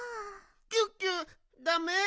キュッキュッダメ？